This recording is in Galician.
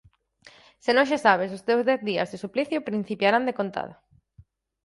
Se non, xa sabes: os teus dez días de suplicio principiarán decontado.